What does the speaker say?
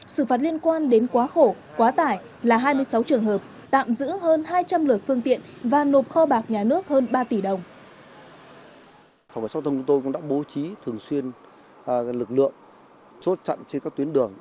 xử phạt liên quan đến quá khổ quá tải là hai mươi sáu trường hợp tạm giữ hơn hai trăm linh lượt phương tiện và nộp kho bạc nhà nước hơn ba tỷ đồng